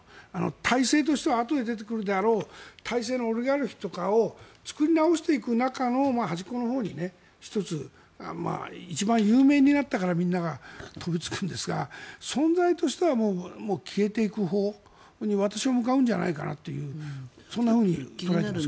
体制としてはあとで出てくるであろう体制の、オリガルヒとかを作り直していく中の端っこのほうに１つ一番有名になったからみんなが飛びつくんですが存在としてはもう消えていくほうに、私は向かうんじゃないかなとそんなふうに捉えてます。